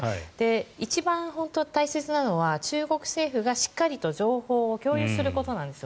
一番大切なのは中国政府がしっかりと情報を共有することなんですよ。